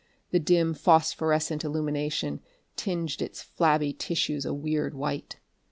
The dim phosphorescent illumination tinged its flabby tissues a weird white.